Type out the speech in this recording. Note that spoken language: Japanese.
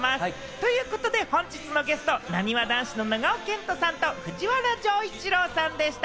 ということで本日のゲスト、なにわ男子の長尾謙杜さんと藤原丈一郎さんでした。